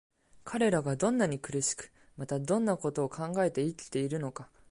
彼等がどんなに苦しく、またどんな事を考えて生きているのか、